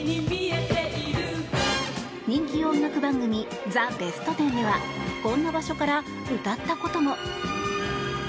人気音楽番組「ザ・ベストテン」ではこんな場所から歌ったことも。